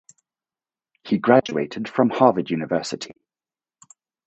He graduated from Harvard University.